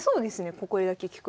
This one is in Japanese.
ここだけ聞くと。